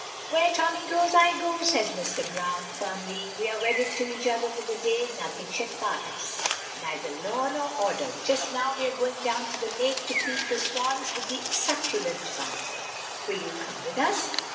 "Where Tommy goes, I go," says Mr. Browne, firmly. "We are wedded to each other for the day. Nothing shall part us! Neither law nor order. Just now we are going down to the lake to feed the swans with the succulent bun. Will you come with us?"